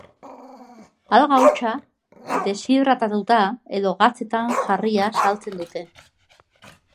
Alga hautsa, deshidratatuta edo gatzetan jarria saltzen dute.